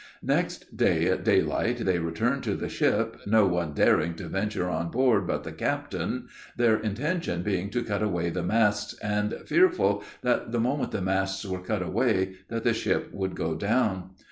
Next day, at daylight, they returned to the ship, no one daring to venture on board but the captain, their intention being to cut away the masts, and fearful that the moment the masts were cut away that the ship would go down.